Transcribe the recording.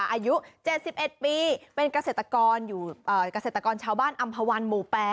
อายุ๗๑ปีเป็นกระเศษตะกรชาวบ้านอำพาวันหมู่๘